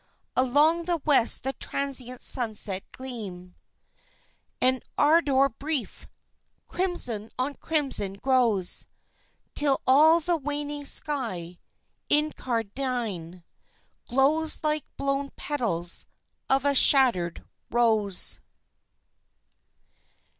Along the West the transient sunset gleam An ardor brief! Crimson on crimson grows Till all the waning sky, incarnadine, Glows like blown petals of a shattered rose.